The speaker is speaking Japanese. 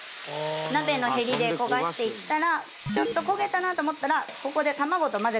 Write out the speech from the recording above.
鍋のへりで焦がしていったらちょっと焦げたなと思ったらここで卵と混ぜてください。